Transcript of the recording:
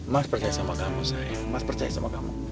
mas percaya sama kamu saya mas percaya sama kamu